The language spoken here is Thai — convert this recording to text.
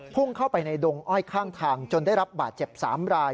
พุ่งเข้าไปในดงอ้อยข้างทางจนได้รับบาดเจ็บ๓ราย